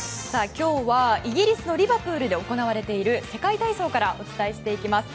今日は、イギリスのリバプールで行われている世界体操からお伝えしていきます。